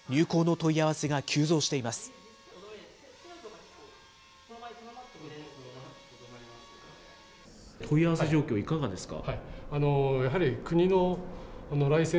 問い合わせ状況、いかがですか。